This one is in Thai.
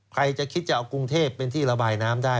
ใครจะคิดจะเอากรุงเทพเป็นที่ระบายน้ำได้